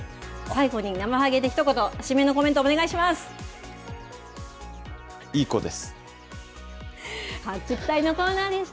最後になまはげでひと言、締めのコメント、お願いします。